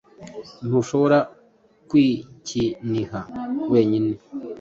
Ntushobora kwikiniha wenyine